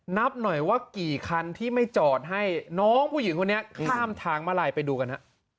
นับหน่อยว่ากี่คันที่ไม่จอดให้น้องผู้หญิงคนนี้ข้ามทางมาลายไปดูกันฮะ